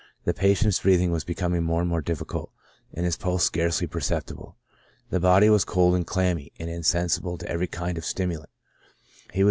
The patient's breathing was becoming more and more difficult, and his pulse scarcely perceptible. The body was cold and clam my, and insensible to every kind of stimulant. He was ALCOHOL IN HEALTH.